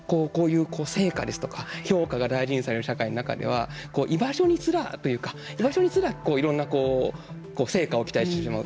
どうしてもこういう成果ですとか評価が大事にされる社会の中では居場所にすらというか居場所にすら成果を期待してしまう。